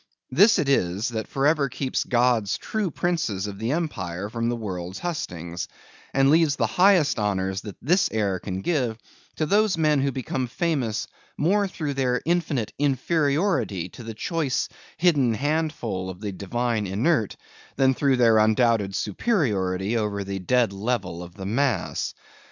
This it is, that for ever keeps God's true princes of the Empire from the world's hustings; and leaves the highest honors that this air can give, to those men who become famous more through their infinite inferiority to the choice hidden handful of the Divine Inert, than through their undoubted superiority over the dead level of the mass.